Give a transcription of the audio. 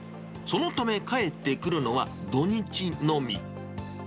そのため、帰ってくるのは土日のみ。